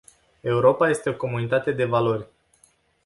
Europa este o comunitate de valori.